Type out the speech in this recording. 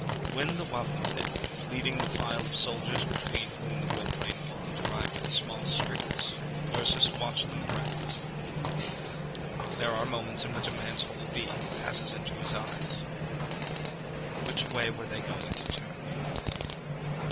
When the wapentake, leading the file of soldiers between whom Gwynplaine walked, arrived at the small streets, Ursus watched them breathlessly. There are moments in which a man's whole being passes into his eyes. Which way were they going to turn?